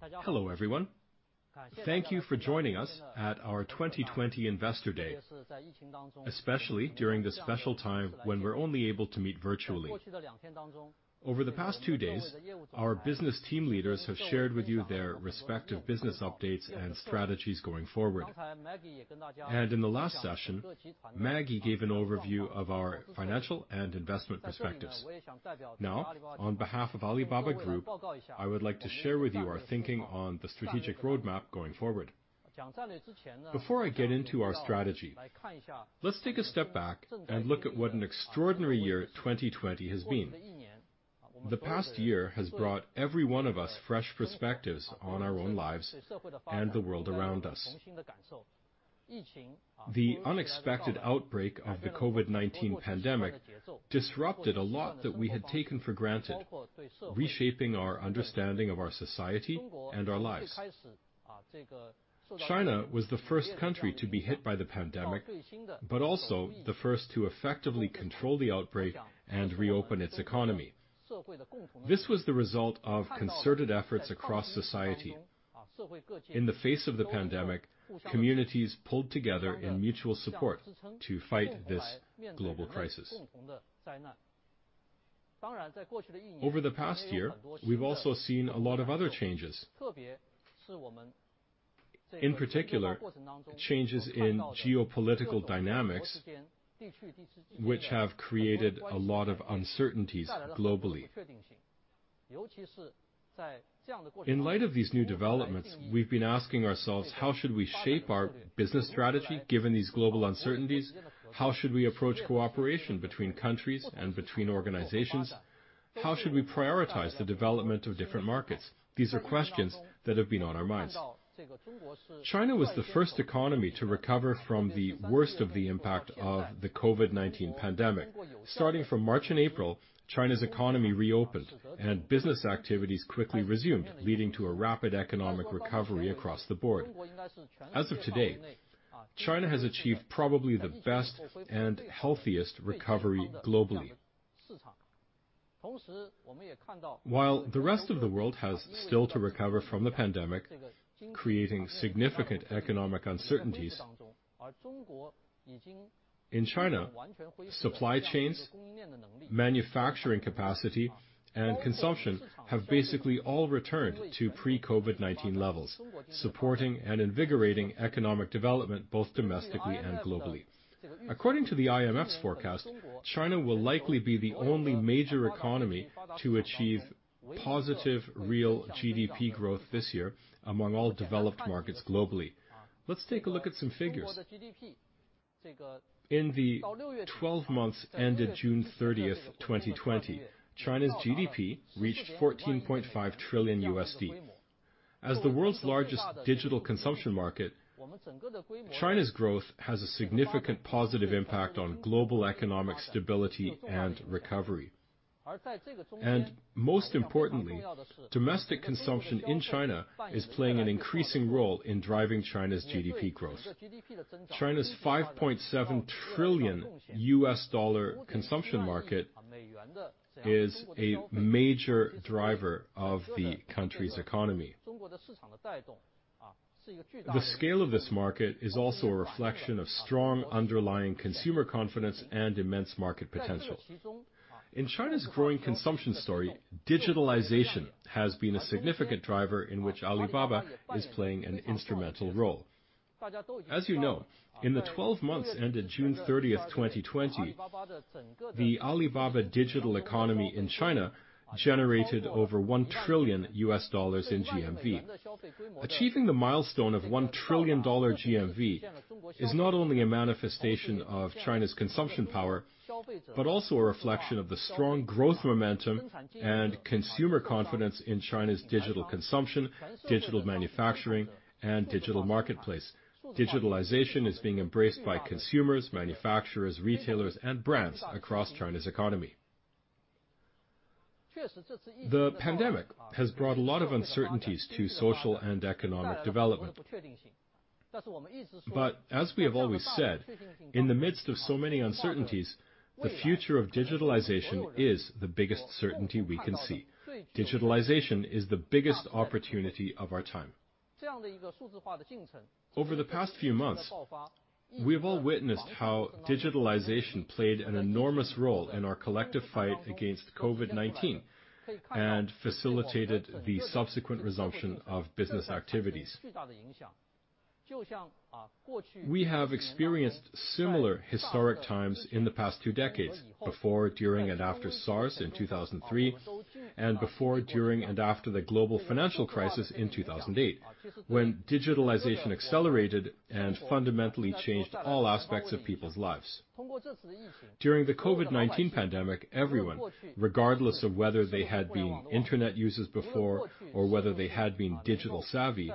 Hello, everyone. Thank you for joining us at our 2020 Investor Day, especially during this special time when we're only able to meet virtually. Over the past two days, our business team leaders have shared with you their respective business updates and strategies going forward. In the last session, Maggie gave an overview of our financial and investment perspectives. Now, on behalf of Alibaba Group, I would like to share with you our thinking on the strategic roadmap going forward. Before I get into our strategy, let's take a step back and look at what an extraordinary year 2020 has been. The past year has brought every one of us fresh perspectives on our own lives and the world around us. The unexpected outbreak of the COVID-19 pandemic disrupted a lot that we had taken for granted, reshaping our understanding of our society and our lives. China was the first country to be hit by the pandemic, but also the first to effectively control the outbreak and reopen its economy. This was the result of concerted efforts across society. In the face of the pandemic, communities pulled together in mutual support to fight this global crisis. Over the past year, we've also seen a lot of other changes. In particular, changes in geopolitical dynamics, which have created a lot of uncertainties globally. In light of these new developments, we've been asking ourselves how should we shape our business strategy, given these global uncertainties? How should we approach cooperation between countries and between organizations? How should we prioritize the development of different markets? These are questions that have been on our minds. China was the first economy to recover from the worst of the impact of the COVID-19 pandemic. Starting from March and April, China's economy reopened and business activities quickly resumed, leading to a rapid economic recovery across the board. As of today, China has achieved probably the best and healthiest recovery globally. While the rest of the world has still to recover from the pandemic, creating significant economic uncertainties, in China, supply chains, manufacturing capacity, and consumption have basically all returned to pre-COVID-19 levels, supporting and invigorating economic development both domestically and globally. According to the IMF's forecast, China will likely be the only major economy to achieve positive real GDP growth this year among all developed markets globally. Let's take a look at some figures. In the 12 months ended June 30th, 2020, China's GDP reached $14.5 trillion. As the world's largest digital consumption market, China's growth has a significant positive impact on global economic stability and recovery. Most importantly, domestic consumption in China is playing an increasing role in driving China's GDP growth. China's $5.7 trillion US dollar consumption market is a major driver of the country's economy. The scale of this market is also a reflection of strong underlying consumer confidence and immense market potential. In China's growing consumption story, digitalization has been a significant driver in which Alibaba is playing an instrumental role. As you know, in the 12 months ended June 30th, 2020, the Alibaba digital economy in China generated over $1 trillion US in GMV. Achieving the milestone of $1 trillion GMV is not only a manifestation of China's consumption power, but also a reflection of the strong growth momentum and consumer confidence in China's digital consumption, digital manufacturing, and digital marketplace. Digitalization is being embraced by consumers, manufacturers, retailers, and brands across China's economy. The pandemic has brought a lot of uncertainties to social and economic development. As we have always said, in the midst of so many uncertainties, the future of digitalization is the biggest certainty we can see. Digitalization is the biggest opportunity of our time. Over the past few months, we've all witnessed how digitalization played an enormous role in our collective fight against COVID-19 and facilitated the subsequent resumption of business activities. We have experienced similar historic times in the past 2 decades, before, during, and after SARS in 2003, and before, during, and after the global financial crisis in 2008, when digitalization accelerated and fundamentally changed all aspects of people's lives. During the COVID-19 pandemic, everyone, regardless of whether they had been internet users before or whether they had been digital savvy,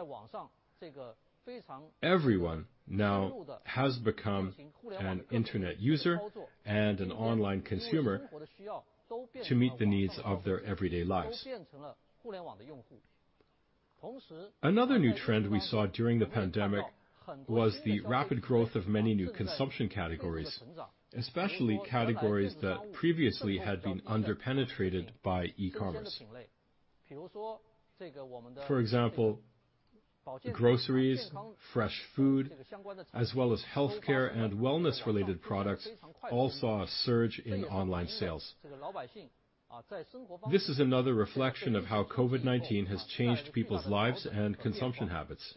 everyone now has become an internet user and an online consumer to meet the needs of their everyday lives. Another new trend we saw during the pandemic was the rapid growth of many new consumption categories, especially categories that previously had been under-penetrated by e-commerce. For example, groceries, fresh food, as well as healthcare and wellness-related products all saw a surge in online sales. This is another reflection of how COVID-19 has changed people's lives and consumption habits.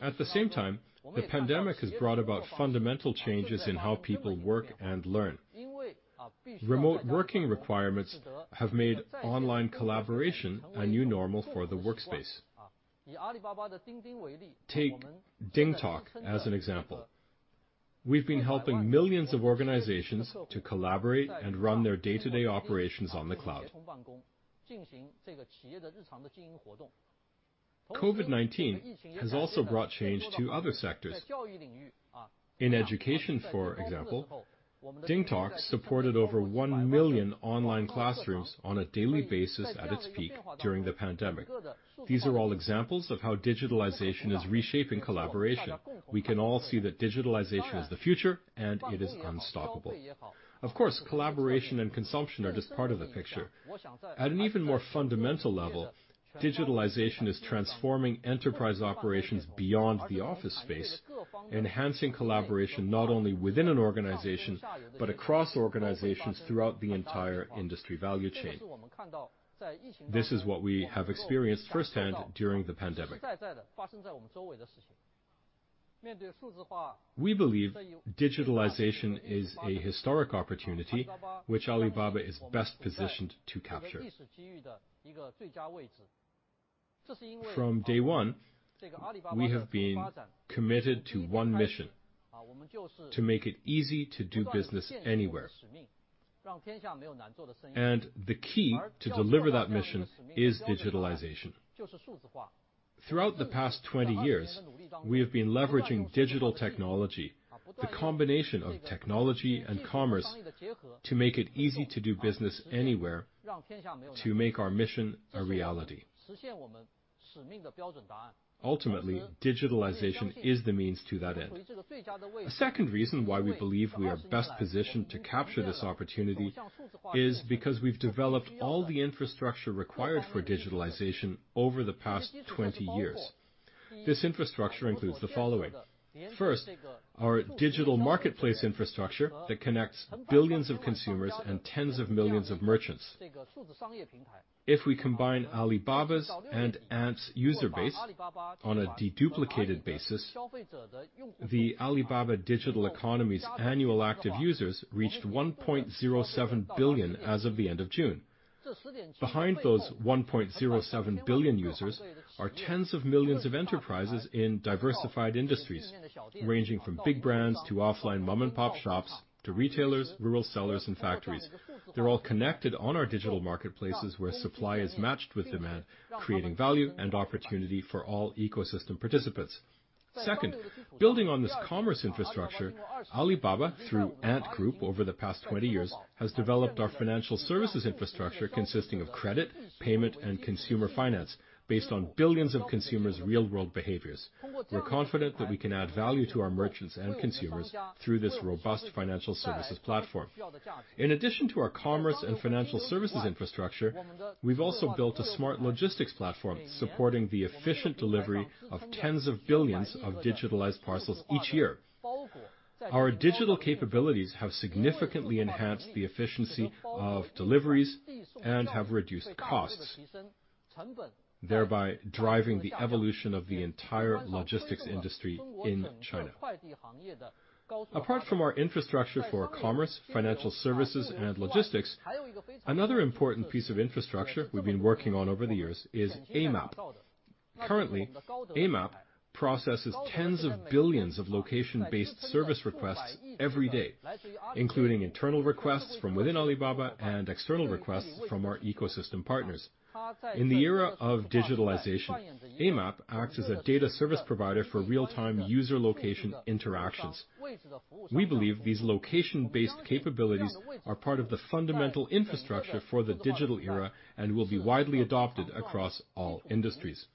At the same time, the pandemic has brought about fundamental changes in how people work and learn. Remote working requirements have made online collaboration a new normal for the workspace. Take DingTalk as an example. We've been helping millions of organizations to collaborate and run their day-to-day operations on the cloud. COVID-19 has also brought change to other sectors. In education, for example, DingTalk supported over 1 million online classrooms on a daily basis at its peak during the pandemic. These are all examples of how digitalization is reshaping collaboration. We can all see that digitalization is the future, and it is unstoppable. Of course, collaboration and consumption are just part of the picture. At an even more fundamental level, digitalization is transforming enterprise operations beyond the office space, enhancing collaboration not only within an organization but across organizations throughout the entire industry value chain. This is what we have experienced firsthand during the pandemic. We believe digitalization is a historic opportunity which Alibaba is best positioned to capture. From day one, we have been committed to one mission: to make it easy to do business anywhere. The key to deliver that mission is digitalization. Throughout the past 20 years, we have been leveraging digital technology, the combination of technology and commerce, to make it easy to do business anywhere to make our mission a reality. Ultimately, digitalization is the means to that end. A second reason why we believe we are best positioned to capture this opportunity is because we've developed all the infrastructure required for digitalization over the past 20 years. This infrastructure includes the following. First, our digital marketplace infrastructure that connects billions of consumers and tens of millions of merchants. If we combine Alibaba's and Ant's user base on a deduplicated basis, the Alibaba digital economy's annual active users reached 1.07 billion as of the end of June. Behind those 1.07 billion users are tens of millions of enterprises in diversified industries, ranging from big brands to offline mom-and-pop shops, to retailers, rural sellers, and factories. They're all connected on our digital marketplaces where supply is matched with demand, creating value and opportunity for all ecosystem participants. Second, building on this commerce infrastructure, Alibaba, through Ant Group over the past 20 years, has developed our financial services infrastructure consisting of credit, payment, and consumer finance based on billions of consumers' real-world behaviors. We're confident that we can add value to our merchants and consumers through this robust financial services platform. In addition to our commerce and financial services infrastructure, we've also built a smart logistics platform supporting the efficient delivery of tens of billions of digitalized parcels each year. Our digital capabilities have significantly enhanced the efficiency of deliveries and have reduced costs, thereby driving the evolution of the entire logistics industry in China. Apart from our infrastructure for commerce, financial services, and logistics, another important piece of infrastructure we've been working on over the years is Amap. Currently, Amap processes tens of billions of location-based service requests every day, including internal requests from within Alibaba and external requests from our ecosystem partners. In the era of digitalization, Amap acts as a data service provider for real-time user location interactions. We believe these location-based capabilities are part of the fundamental infrastructure for the digital era and will be widely adopted across all industries.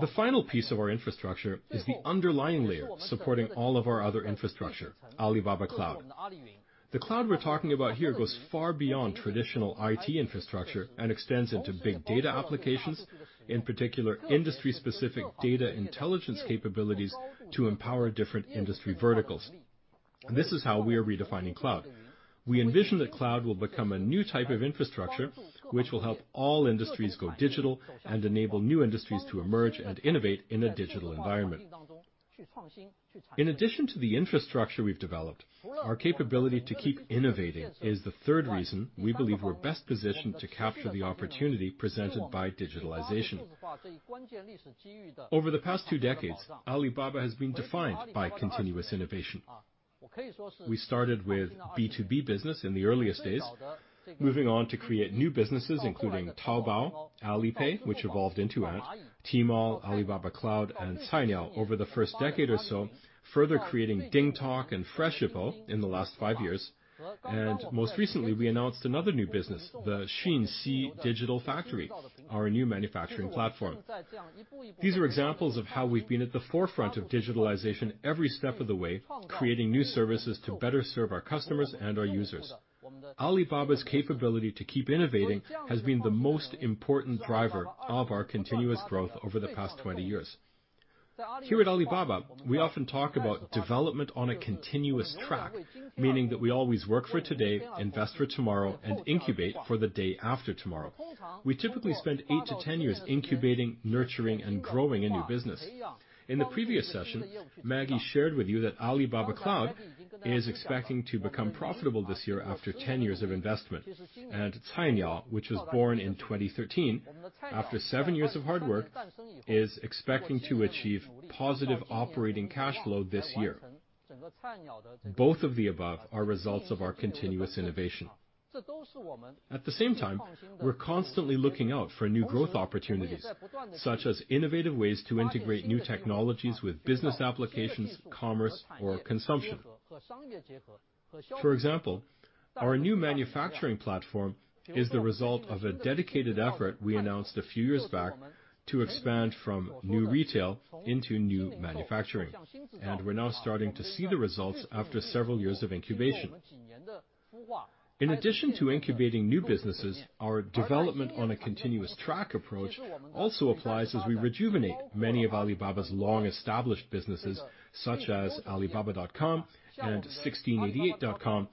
The final piece of our infrastructure is the underlying layer supporting all of our other infrastructure, Alibaba Cloud. The cloud we're talking about here goes far beyond traditional IT infrastructure and extends into big data applications, in particular, industry-specific data intelligence capabilities to empower different industry verticals. This is how we are redefining cloud. We envision that cloud will become a new type of infrastructure, which will help all industries go digital and enable new industries to emerge and innovate in a digital environment. In addition to the infrastructure we've developed, our capability to keep innovating is the third reason we believe we're best positioned to capture the opportunity presented by digitalization. Over the past two decades, Alibaba has been defined by continuous innovation. We started with B2B business in the earliest days, moving on to create new businesses including Taobao, Alipay, which evolved into Ant, Tmall, Alibaba Cloud, and Cainiao over the first decade or so, further creating DingTalk and Freshippo in the last five years. Most recently, we announced another new business, the Xunxi Digital Factory, our new manufacturing platform. These are examples of how we've been at the forefront of digitalization every step of the way, creating new services to better serve our customers and our users. Alibaba's capability to keep innovating has been the most important driver of our continuous growth over the past 20 years. Here at Alibaba, we often talk about development on a continuous track, meaning that we always work for today, invest for tomorrow, and incubate for the day after tomorrow. We typically spend 8-10 years incubating, nurturing, and growing a new business. In the previous session, Maggie shared with you that Alibaba Cloud is expecting to become profitable this year after 10 years of investment. Cainiao, which was born in 2013, after seven years of hard work, is expecting to achieve positive operating cash flow this year. Both of the above are results of our continuous innovation. At the same time, we're constantly looking out for new growth opportunities, such as innovative ways to integrate new technologies with business applications, commerce, or consumption. For example, our new manufacturing platform is the result of a dedicated effort we announced a few years back to expand from new retail into new manufacturing, and we're now starting to see the results after several years of incubation. In addition to incubating new businesses, our development on a continuous track approach also applies as we rejuvenate many of Alibaba's long-established businesses such as Alibaba.com and 1688.com,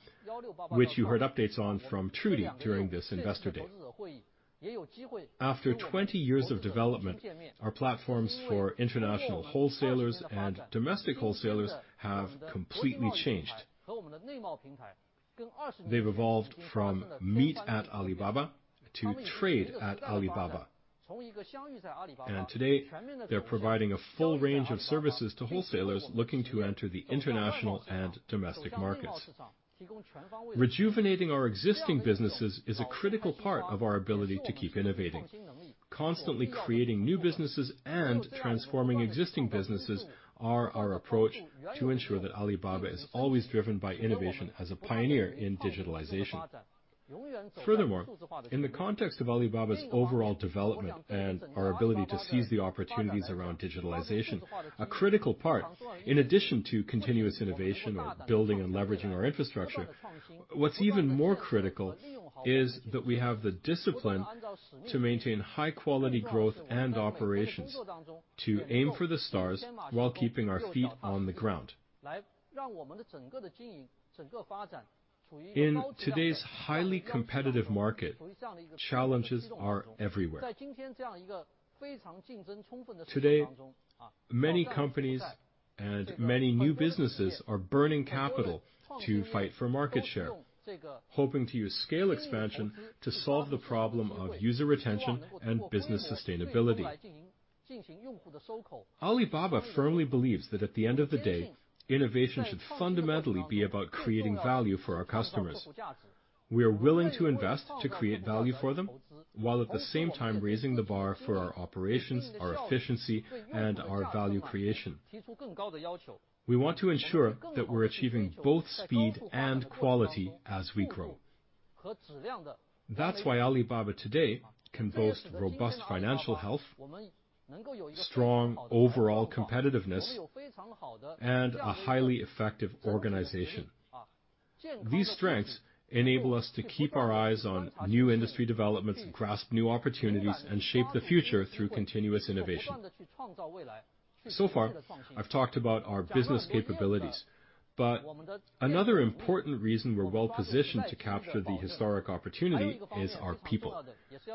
which you heard updates on from Trudy during this Investor Day. After 20 years of development, our platforms for international wholesalers and domestic wholesalers have completely changed. They've evolved from meet at Alibaba to trade at Alibaba. Today, they're providing a full range of services to wholesalers looking to enter the international and domestic markets. Rejuvenating our existing businesses is a critical part of our ability to keep innovating. Constantly creating new businesses and transforming existing businesses are our approach to ensure that Alibaba is always driven by innovation as a pioneer in digitalization. Furthermore, in the context of Alibaba's overall development and our ability to seize the opportunities around digitalization, a critical part, in addition to continuous innovation of building and leveraging our infrastructure, what's even more critical is that we have the discipline to maintain high-quality growth and operations. To aim for the stars while keeping our feet on the ground. In today's highly competitive market, challenges are everywhere. Today, many companies and many new businesses are burning capital to fight for market share, hoping to use scale expansion to solve the problem of user retention and business sustainability. Alibaba firmly believes that at the end of the day, innovation should fundamentally be about creating value for our customers. We are willing to invest to create value for them, while at the same time raising the bar for our operations, our efficiency, and our value creation. We want to ensure that we're achieving both speed and quality as we grow. That's why Alibaba today can boast robust financial health, strong overall competitiveness, and a highly effective organization. These strengths enable us to keep our eyes on new industry developments, grasp new opportunities, and shape the future through continuous innovation. Far, I've talked about our business capabilities, but another important reason we're well-positioned to capture the historic opportunity is our people.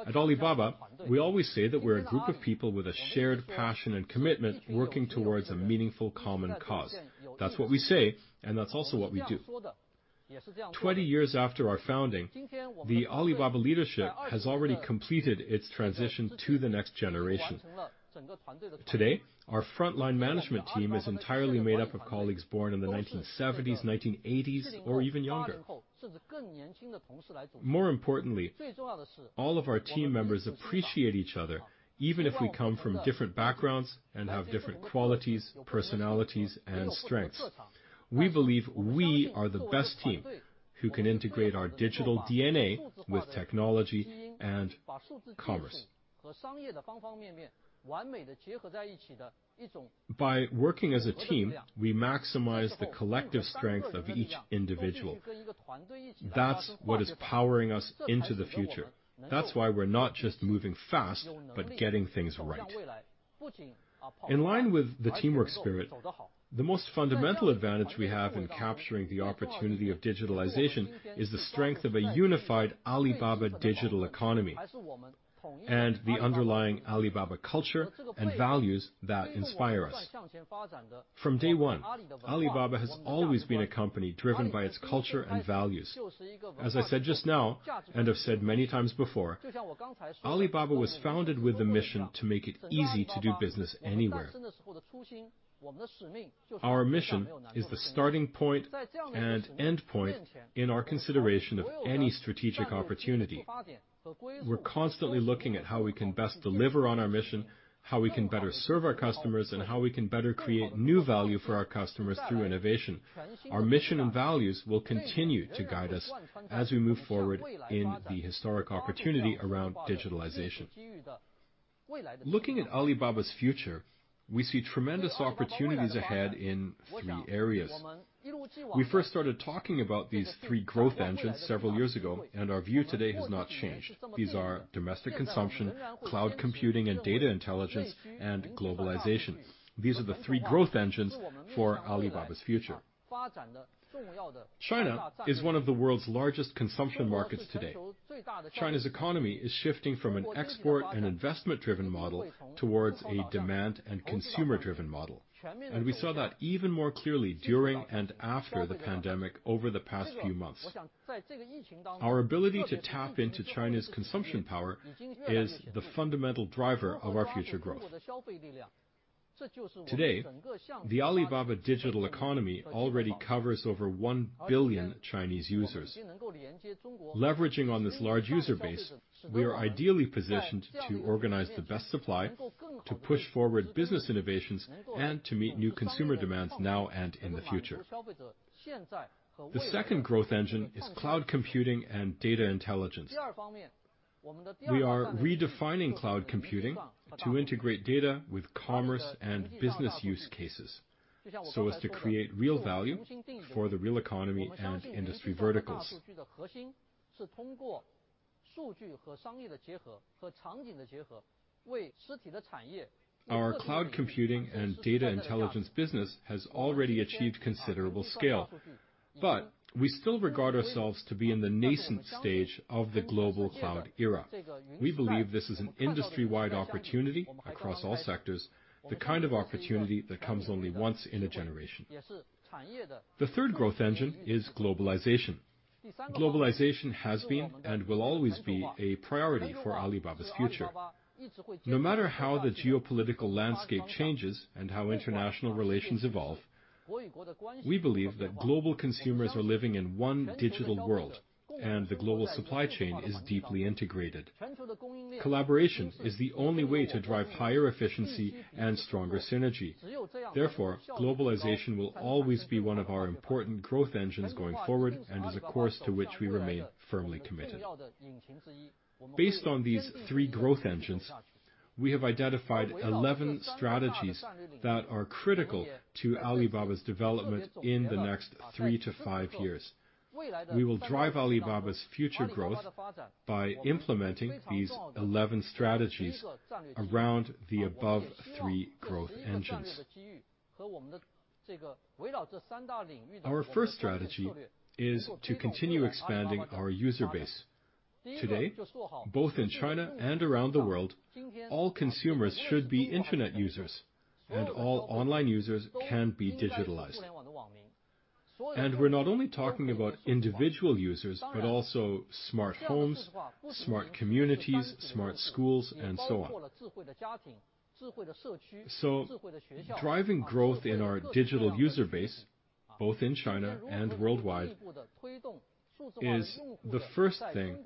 At Alibaba, we always say that we're a group of people with a shared passion and commitment working towards a meaningful common cause. That's what we say, and that's also what we do. 20 years after our founding, the Alibaba leadership has already completed its transition to the next generation. Today, our frontline management team is entirely made up of colleagues born in the 1970s, 1980s, or even younger. More importantly, all of our team members appreciate each other, even if we come from different backgrounds and have different qualities, personalities, and strengths. We believe we are the best team who can integrate our digital DNA with technology and commerce. By working as a team, we maximize the collective strength of each individual. That's what is powering us into the future. That's why we're not just moving fast, but getting things right. In line with the teamwork spirit, the most fundamental advantage we have in capturing the opportunity of digitalization is the strength of a unified Alibaba digital economy and the underlying Alibaba culture and values that inspire us. From day one, Alibaba has always been a company driven by its culture and values. As I said just now, and have said many times before, Alibaba was founded with the mission to make it easy to do business anywhere. Our mission is the starting point and endpoint in our consideration of any strategic opportunity. We're constantly looking at how we can best deliver on our mission, how we can better serve our customers, and how we can better create new value for our customers through innovation. Our mission and values will continue to guide us as we move forward in the historic opportunity around digitalization. Looking at Alibaba's future, we see tremendous opportunities ahead in three areas. We first started talking about these three growth engines several years ago. Our view today has not changed. These are domestic consumption, cloud computing and data intelligence. Globalization. These are the three growth engines for Alibaba's future. China is one of the world's largest consumption markets today. China's economy is shifting from an export and investment-driven model towards a demand and consumer-driven model. We saw that even more clearly during and after the pandemic over the past few months. Our ability to tap into China's consumption power is the fundamental driver of our future growth. Today, the Alibaba digital economy already covers over one billion Chinese users. Leveraging on this large user base, we are ideally positioned to organize the best supply to push forward business innovations and to meet new consumer demands now and in the future. The second growth engine is cloud computing and data intelligence. We are redefining cloud computing to integrate data with commerce and business use cases so as to create real value for the real economy and industry verticals. Our cloud computing and data intelligence business has already achieved considerable scale, but we still regard ourselves to be in the nascent stage of the global cloud era. We believe this is an industry-wide opportunity across all sectors, the kind of opportunity that comes only once in a generation. The third growth engine is globalization. Globalization has been and will always be a priority for Alibaba's future. No matter how the geopolitical landscape changes and how international relations evolve, we believe that global consumers are living in one digital world, and the global supply chain is deeply integrated. Collaboration is the only way to drive higher efficiency and stronger synergy. Therefore, globalization will always be one of our important growth engines going forward and is a course to which we remain firmly committed. Based on these three growth engines, we have identified 11 strategies that are critical to Alibaba's development in the next three to five years. We will drive Alibaba's future growth by implementing these 11 strategies around the above three growth engines. Our first strategy is to continue expanding our user base. Today, both in China and around the world, all consumers should be internet users, and all online users can be digitalized. We're not only talking about individual users, but also smart homes, smart communities, smart schools, and so on. Driving growth in our digital user base, both in China and worldwide, is the first thing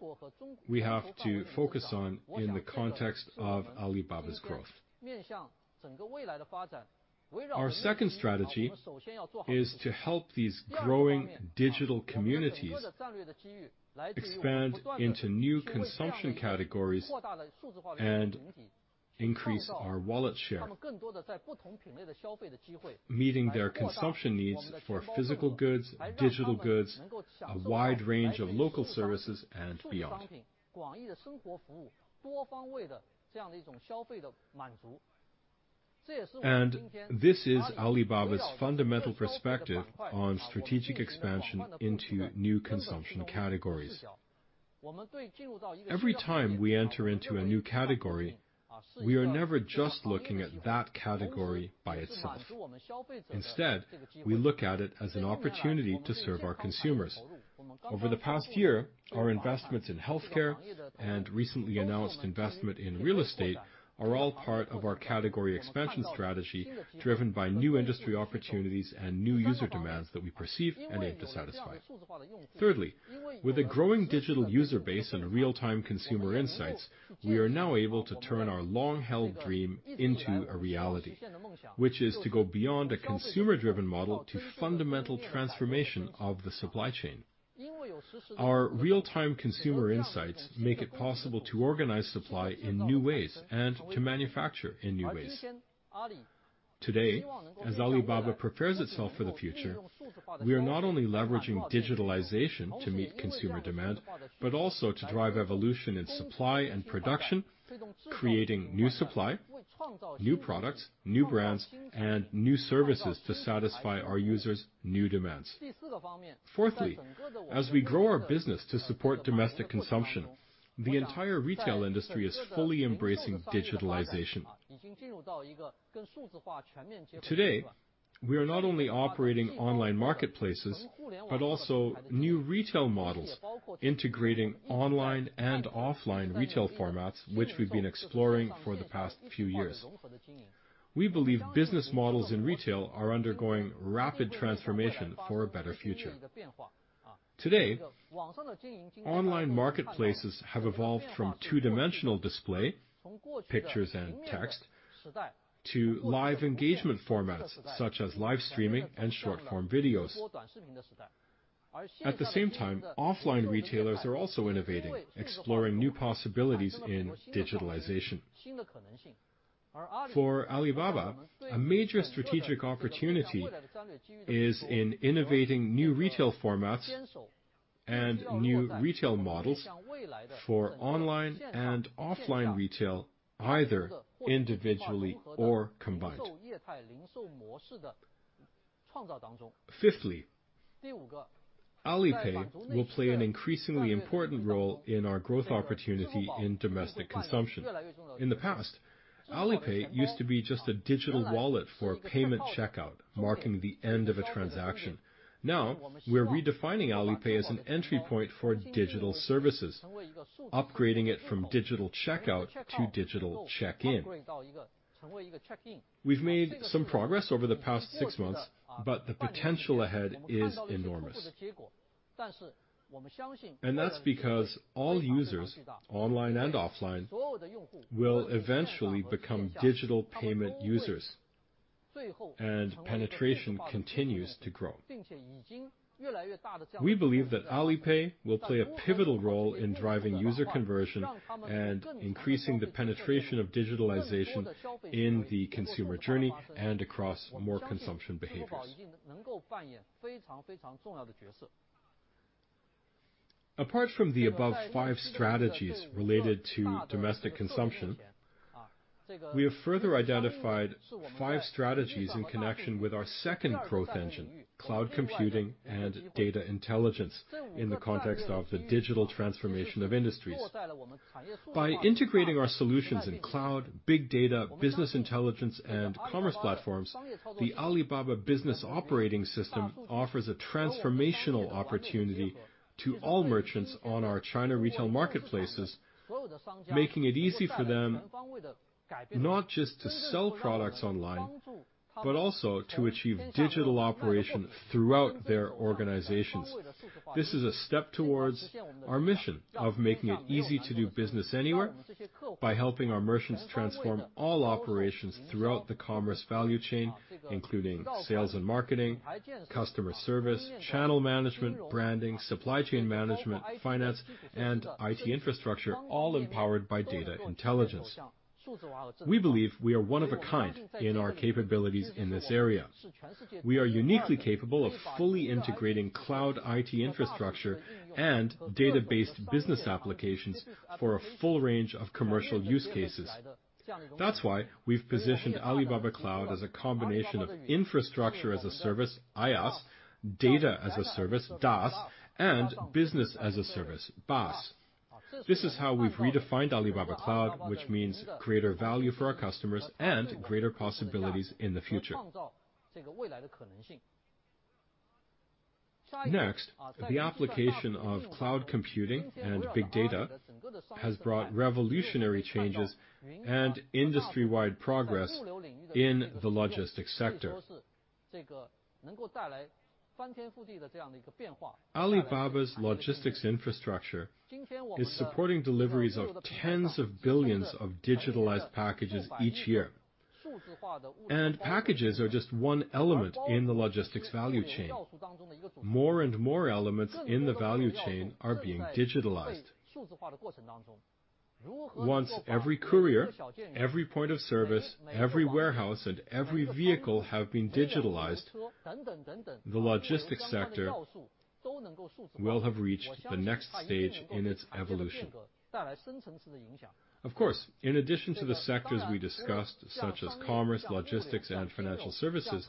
we have to focus on in the context of Alibaba's growth. Our second strategy is to help these growing digital communities expand into new consumption categories and increase our wallet share, meeting their consumption needs for physical goods, digital goods, a wide range of local services, and beyond. This is Alibaba's fundamental perspective on strategic expansion into new consumption categories. Every time we enter into a new category, we are never just looking at that category by itself. Instead, we look at it as an opportunity to serve our consumers. Over the past year, our investments in healthcare and recently announced investment in real estate are all part of our category expansion strategy, driven by new industry opportunities and new user demands that we perceive and aim to satisfy. Thirdly, with a growing digital user base and real-time consumer insights, we are now able to turn our long-held dream into a reality, which is to go beyond a consumer-driven model to fundamental transformation of the supply chain. Our real-time consumer insights make it possible to organize supply in new ways and to manufacture in new ways. Today, as Alibaba prepares itself for the future, we are not only leveraging digitalization to meet consumer demand but also to drive evolution in supply and production, creating new supply, new products, new brands, and new services to satisfy our users' new demands. Fourthly, as we grow our business to support domestic consumption, the entire retail industry is fully embracing digitalization. Today, we are not only operating online marketplaces but also new retail models integrating online and offline retail formats, which we've been exploring for the past few years. We believe business models in retail are undergoing rapid transformation for a better future. Today, online marketplaces have evolved from two-dimensional display, pictures and text, to live engagement formats such as live streaming and short-form videos. At the same time, offline retailers are also innovating, exploring new possibilities in digitalization. For Alibaba, a major strategic opportunity is in innovating new retail formats and new retail models for online and offline retail, either individually or combined. Fifthly, Alipay will play an increasingly important role in our growth opportunity in domestic consumption. In the past, Alipay used to be just a digital wallet for payment checkout, marking the end of a transaction. Now, we're redefining Alipay as an entry point for digital services, upgrading it from digital checkout to digital check-in. We've made some progress over the past six months, but the potential ahead is enormous. That's because all users, online and offline, will eventually become digital payment users, and penetration continues to grow. We believe that Alipay will play a pivotal role in driving user conversion and increasing the penetration of digitalization in the consumer journey and across more consumption behaviors. Apart from the above five strategies related to domestic consumption, we have further identified five strategies in connection with our second growth engine, cloud computing and data intelligence, in the context of the digital transformation of industries. By integrating our solutions in cloud, big data, business intelligence, and commerce platforms, the Alibaba Business Operating System offers a transformational opportunity to all merchants on our China retail marketplaces, making it easy for them not just to sell products online, but also to achieve digital operation throughout their organizations. This is a step towards our mission of making it easy to do business anywhere by helping our merchants transform all operations throughout the commerce value chain, including sales and marketing, customer service, channel management, branding, supply chain management, finance, and IT infrastructure, all empowered by data intelligence. We believe we are one of a kind in our capabilities in this area. We are uniquely capable of fully integrating cloud IT infrastructure and data-based business applications for a full range of commercial use cases. That's why we've positioned Alibaba Cloud as a combination of infrastructure as a service, IaaS, data as a service, DaaS, and business as a service, BaaS. This is how we've redefined Alibaba Cloud, which means greater value for our customers and greater possibilities in the future. Next, the application of cloud computing and big data has brought revolutionary changes and industry-wide progress in the logistics sector. Alibaba's logistics infrastructure is supporting deliveries of tens of billions of digitalized packages each year. Packages are just one element in the logistics value chain. More and more elements in the value chain are being digitalized. Once every courier, every point of service, every warehouse, and every vehicle have been digitalized, the logistics sector will have reached the next stage in its evolution. Of course, in addition to the sectors we discussed, such as commerce, logistics, and financial services,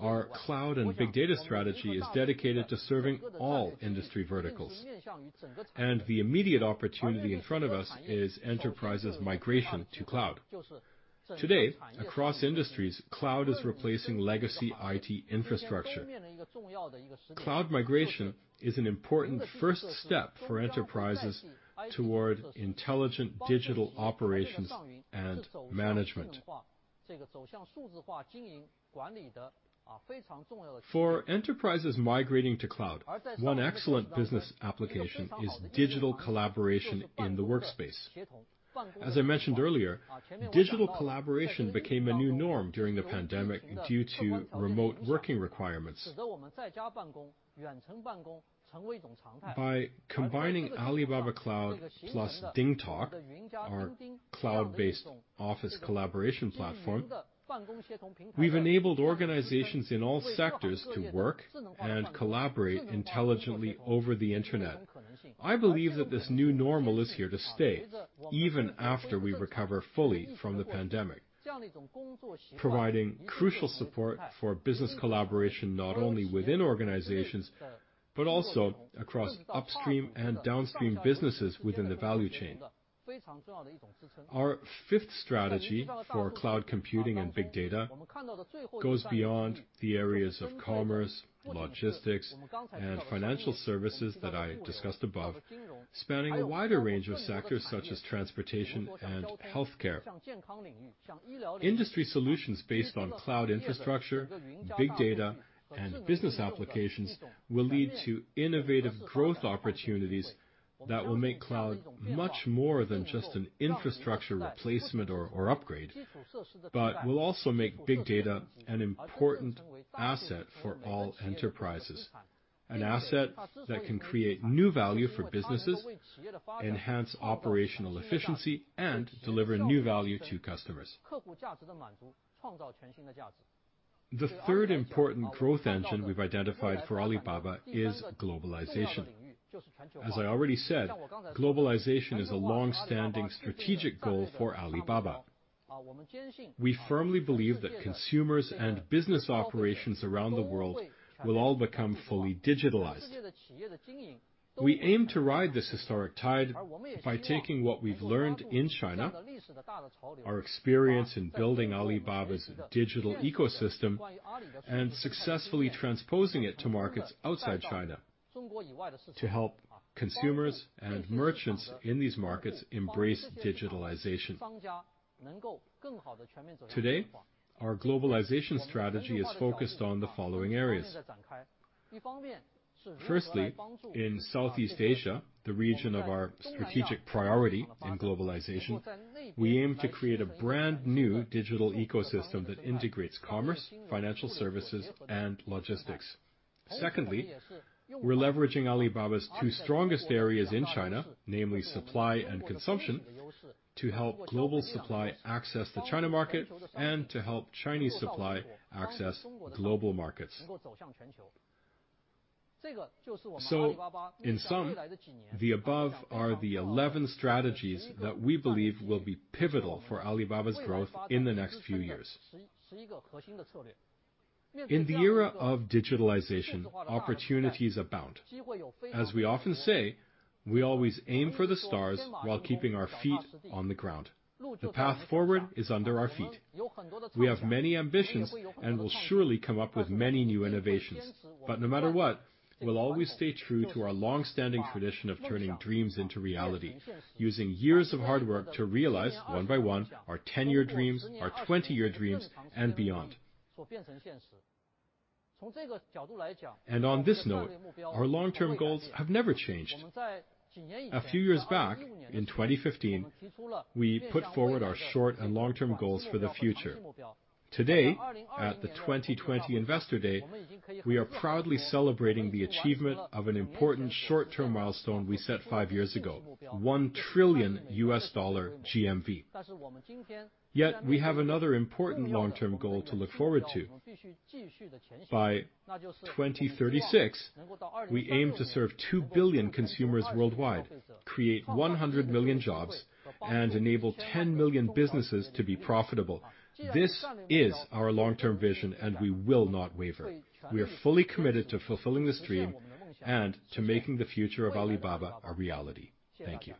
our cloud and big data strategy is dedicated to serving all industry verticals, and the immediate opportunity in front of us is enterprises' migration to cloud. Today, across industries, cloud is replacing legacy IT infrastructure. Cloud migration is an important first step for enterprises toward intelligent digital operations and management. For enterprises migrating to cloud, one excellent business application is digital collaboration in the workspace. As I mentioned earlier, digital collaboration became a new norm during the pandemic due to remote working requirements. By combining Alibaba Cloud plus DingTalk, our cloud-based office collaboration platform, we've enabled organizations in all sectors to work and collaborate intelligently over the internet. I believe that this new normal is here to stay, even after we recover fully from the pandemic, providing crucial support for business collaboration, not only within organizations but also across upstream and downstream businesses within the value chain. Our fifth strategy for cloud computing and big data goes beyond the areas of commerce, logistics, and financial services that I discussed above, spanning a wider range of sectors such as transportation and healthcare. Industry solutions based on cloud infrastructure, big data, and business applications will lead to innovative growth opportunities that will make cloud much more than just an infrastructure replacement or upgrade, but will also make big data an important asset for all enterprises. An asset that can create new value for businesses, enhance operational efficiency, and deliver new value to customers. The third important growth engine we've identified for Alibaba is globalization. As I already said, globalization is a longstanding strategic goal for Alibaba. We firmly believe that consumers and business operations around the world will all become fully digitalized. We aim to ride this historic tide by taking what we've learned in China, our experience in building Alibaba's digital ecosystem, and successfully transposing it to markets outside China to help consumers and merchants in these markets embrace digitalization. Today, our globalization strategy is focused on the following areas. Firstly, in Southeast Asia, the region of our strategic priority in globalization, we aim to create a brand-new digital ecosystem that integrates commerce, financial services, and logistics. Secondly, we're leveraging Alibaba's two strongest areas in China, namely supply and consumption, to help global supply access the China market and to help Chinese supply access global markets. In sum, the above are the 11 strategies that we believe will be pivotal for Alibaba's growth in the next few years. In the era of digitalization, opportunities abound. As we often say, we always aim for the stars while keeping our feet on the ground. The path forward is under our feet. We have many ambitions and will surely come up with many new innovations. No matter what, we'll always stay true to our longstanding tradition of turning dreams into reality, using years of hard work to realize, one by one, our 10-year dreams, our 20-year dreams, and beyond. On this note, our long-term goals have never changed. A few years back, in 2015, we put forward our short and long-term goals for the future. Today, at the 2020 Investor Day, we are proudly celebrating the achievement of an important short-term milestone we set five years ago: $1 trillion GMV. We have another important long-term goal to look forward to. By 2036, we aim to serve 2 billion consumers worldwide, create 100 million jobs, and enable 10 million businesses to be profitable. This is our long-term vision, and we will not waver. We are fully committed to fulfilling this dream and to making the future of Alibaba a reality. Thank you.